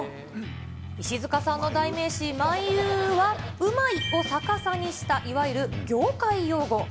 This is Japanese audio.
石塚さんの代名詞、まいうーは、うまいを逆さにした、いわゆる業界用語。